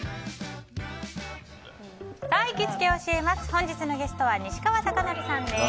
本日のゲストは西川貴教さんです。